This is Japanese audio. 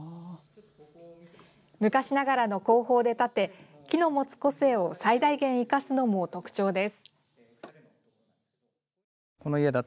昔ながらの工法で建て木の持つ個性を最大限、生かすのも特徴です。